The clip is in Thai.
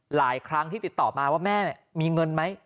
หลายครั้งที่ติดต่อมาว่าแม่มีเงินไหม